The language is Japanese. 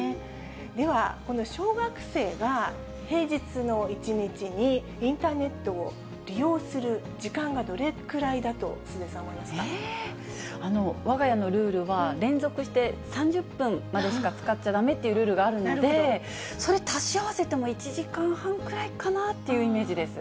では、この小学生が平日の１日にインターネットを利用する時間がどれくわが家のルールは、連続して３０分までしか使っちゃだめというルールがあるので、それ足し合わせても、１時間半くらいかなっていうイメージです。